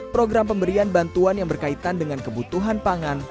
program pemberian bantuan yang berkaitan dengan kebutuhan pangan